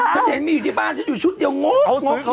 เธอเห็นมีอยู่ที่บ้านจะอยู่ชุดเดียวงบงบอะไรโกเนี่ย